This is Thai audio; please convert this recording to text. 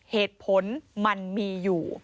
เหตุผลมันมีอยู่